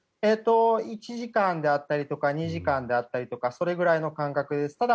１時間だったりとか２時間であったりとかそれぐらいの間隔です。